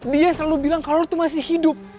dia selalu bilang kalau itu masih hidup